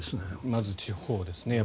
まず地方ですね。